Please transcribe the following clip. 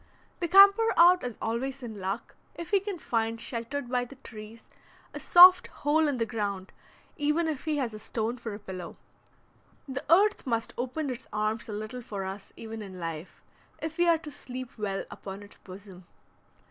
The camper out is always in luck if he can find, sheltered by the trees, a soft hole in the ground, even if he has a stone for a pillow. The earth must open its arms a little for us even in life, if we are to sleep well upon its bosom.